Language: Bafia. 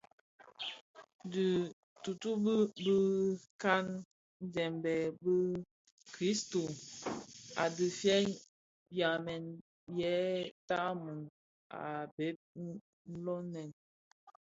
Dhitutubi di ka dhembèn bi- kristus a dhifeg byamèn yë tannum a bheg nloghèn.